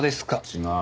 違う。